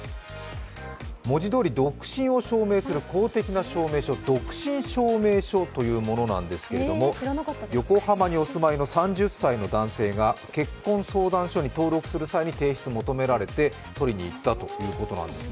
文字どおり独身を証明する公的な証明書、独身証明書というものなんですけども、横浜にお住まいの３０歳の男性が結婚相談所に登録する際に提出、求められて取りに行ったということなんです。